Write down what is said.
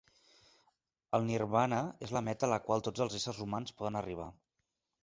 El nirvana és la meta a la qual tots els éssers humans poden arribar.